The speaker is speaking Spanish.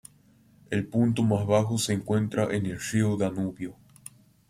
El punto más bajo se encuentra en el río Danubio.